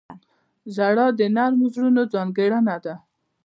• ژړا د نرمو زړونو ځانګړنه ده.